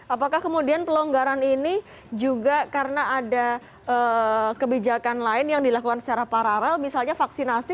apakah kemudian pelonggaran ini juga karena ada kebijakan lain yang dilakukan secara paralel misalnya vaksinasi